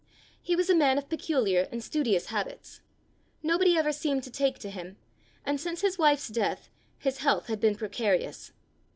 He was a man of peculiar and studious habits; nobody ever seemed to take to him; and since his wife's death, his health had been precarious.